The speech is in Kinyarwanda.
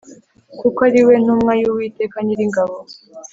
kuko ari we ntumwa y’Uwiteka Nyiringabo.